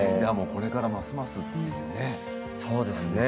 これからますますですね。